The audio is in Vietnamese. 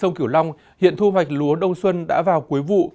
tại khu vực kiểu long hiện thu hoạch lúa đông xuân đã vào cuối vụ